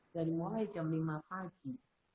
dari mulai jam lima pagi